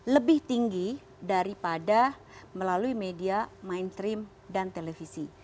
lebih tinggi daripada melalui media main stream dan televisi